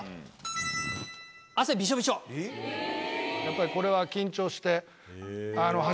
やっぱりこれは緊張して。